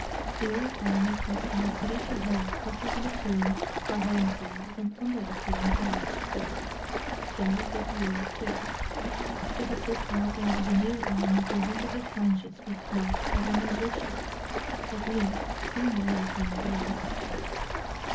"The old Army custom was to get your hair cut over the comb for home service and under the comb for active service. Jolly good rule, too. But the subaltern of the New Army goes into the trenches with locks like a musician's. At least, too many of him does."